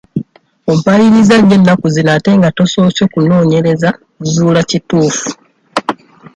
Ompaayiriza nnyo ennaku zino ate nga tosoose kunoonyereza kuzuula kituufu.